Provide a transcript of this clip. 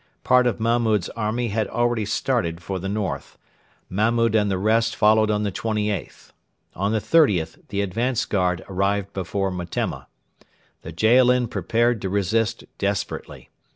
Part of Mahmud's army had already started for the north. Mahmud and the rest followed on the 28th. On the 30th the advanced guard arrived before Metemma. The Jaalin prepared to resist desperately.